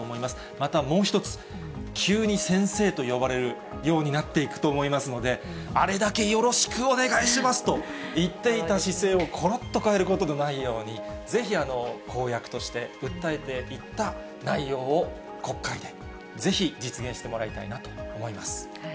またもう一つ、急に先生と呼ばれるようになっていくと思いますので、あれだけよろしくお願いしますと言っていた姿勢をころっと変えることのないように、ぜひ公約として訴えていった内容を国会で、ぜひ実現してもらいたいなと思います。